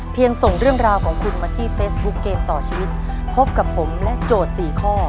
ส่งเรื่องราวของคุณมาที่เฟซบุ๊คเกมต่อชีวิตพบกับผมและโจทย์สี่ข้อ